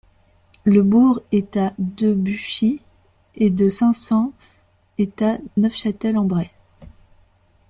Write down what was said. Le bourg est à de Buchy et de Saint-Saëns et à de Neufchâtel-en-Bray.